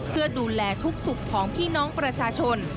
เพื่อดูแลทุกสุขของพี่น้องประชาชน